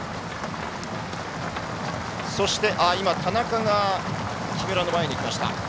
そして田中が木村の前に来ました。